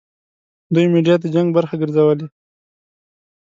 دوی میډیا د جنګ برخه ګرځولې.